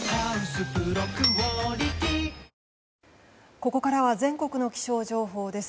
ここからは全国の気象情報です。